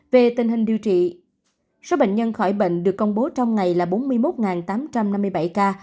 về tình hình điều trị số bệnh nhân khỏi bệnh được công bố trong ngày là bốn mươi một tám trăm năm mươi bảy ca